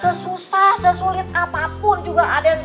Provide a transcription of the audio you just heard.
sesusah sesulit apapun juga aden